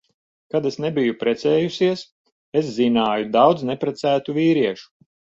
Kad es nebiju precējusies, es zināju daudz neprecētu vīriešu.